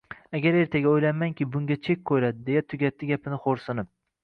Ammo ertaga, o`ylaymanki, bunga chek qo`yiladi, deya tugatdi gapini xo`rsinib